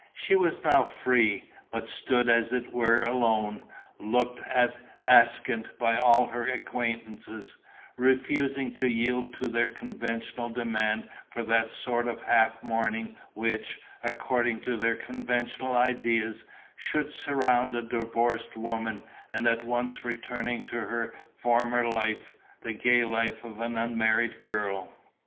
She was now free, but stood as it were alone, looked at askance by all her acquaintances, refusing to yield to their conventional demand for that sort of half mourning which, according to their conventional ideas, should surround a divorced woman and at once returning to her former life, the gay life of an unmarried girl.